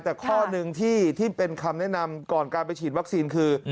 แต่ข้อหนึ่งที่เป็นคำแนะนำก่อนการไปฉีดวัคซีนคือ